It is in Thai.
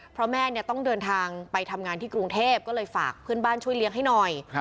เพราะแม่เนี่ยต้องเดินทางไปทำงานที่กรุงเทพก็เลยฝากเพื่อนบ้านช่วยเลี้ยงให้หน่อย